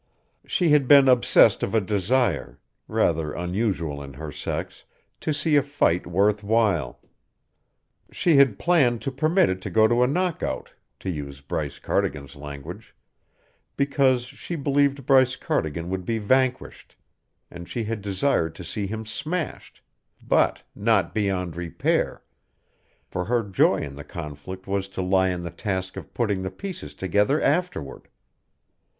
She had been obsessed of a desire, rather unusual in her sex, to see a fight worth while; she had planned to permit it to go to a knockout, to use Bryce Cardigan's language, because she believed Bryce Cardigan would be vanquished and she had desired to see him smashed but not beyond repair, for her joy in the conflict was to lie in the task of putting the pieces together afterward!